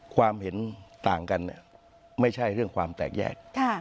ความเห็นต่างกันไม่ใช่เรื่องความแตกแยก